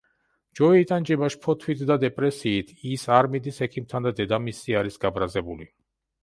ჯოი იტანჯება შფოთვით და დეპრესიით, ის არ მიდის ექიმთან და დედამისზე არის გაბრაზებული.